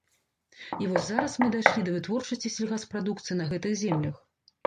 І вось зараз мы дайшлі да вытворчасці сельгаспрадукцыі на гэтых землях.